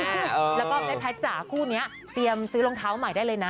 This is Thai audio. แล้วก็แม่แพทย์จ๋าคู่นี้เตรียมซื้อรองเท้าใหม่ได้เลยนะ